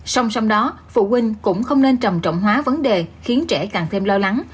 song song đó phụ huynh cũng không nên trầm trọng hóa vấn đề khiến trẻ càng thêm lo lắng